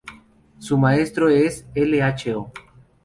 Su maestro es L.h.o.